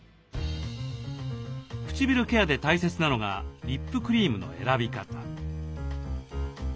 唇ケアで大切なのがリップクリームの選び方。